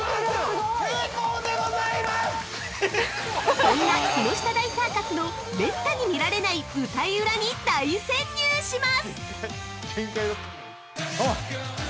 そんな木下大サーカスの滅多に見られない舞台裏に大潜入します！